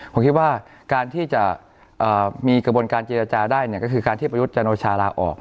ผมคิดว่าการที่จะมีกระบวนการเจรจาได้ก็คือการที่ประยุทธ์จันโอชาลาออก